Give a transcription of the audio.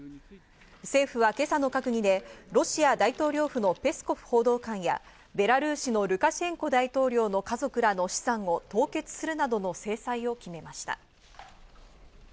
政府は今朝の閣議でロシア大統領府のペスコフ報道官や、ベラルーシのルカシェンコ大統領の家族らの資産を凍結するなどの制裁を決めました。